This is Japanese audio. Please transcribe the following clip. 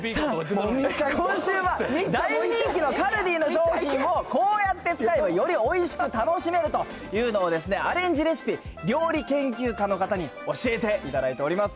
さあ、今週は大人気のカルディの商品を、こうやって使えばよりおいしく楽しめるというのを、アレンジレシピ、料理研究家の方に教えていただいております。